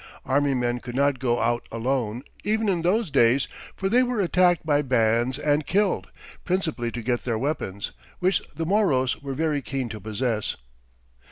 Army men could not go out alone, even in those days, for they were attacked by bands and killed, principally to get their weapons, which the Moros were very keen to possess.